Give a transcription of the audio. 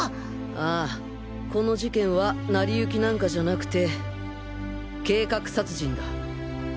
ああこの事件は成り行きなんかじゃなくて計画殺人だ。